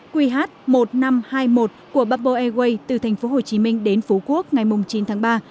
qh một nghìn năm trăm hai mươi một của bubble airways từ thành phố hồ chí minh đến phú quốc ngày chín tháng ba